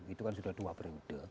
itu kan sudah dua periode